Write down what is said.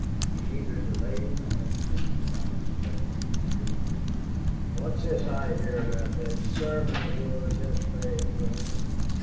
He neither delayed nor hesitated about expressing his disapproval. "What is this I hear about that sermon of yours yesterday, Ingraham?